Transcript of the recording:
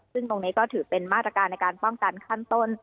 ซึ่งตรงนี้ก็ถือเป็นมาตรการในการป้องกันขั้นต้น